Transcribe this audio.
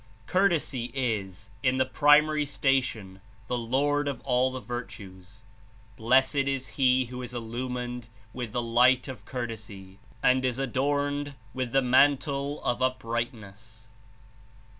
Courtesy Is, In the primary station, the lord of all the virtues. Blessed Is he who Is Illumined with the light of Courtesy and Is adorned with the mantle of Uprightness."